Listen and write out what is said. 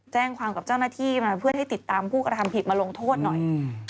แจ้งความกับเจ้าหน้าที่มาเพื่อให้ติดตามผู้กระทำผิดมาลงโทษหน่อย